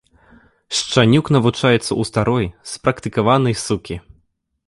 Шчанюк навучаецца ў старой спрактыкаванай сукі.